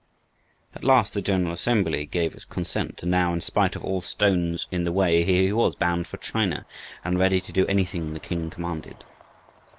At last the General Assembly gave its consent, and now, in spite of all stones in the way, here he was, bound for China, and ready to do anything the King commanded.